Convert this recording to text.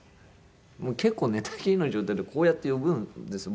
もう結構寝たきりの状態でこうやって呼ぶんです